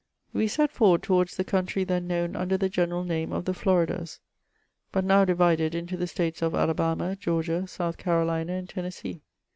We set forward towards the country then known under the general name of the Floridas, but now divided into the states of Alabama, Georgia, South Carolina, and Tenessee.